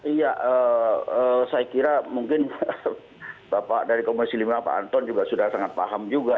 iya saya kira mungkin bapak dari komisi lima pak anton juga sudah sangat paham juga